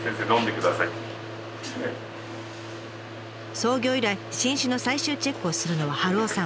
創業以来新酒の最終チェックをするのは春雄さん。